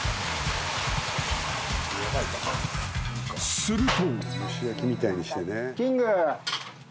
［すると］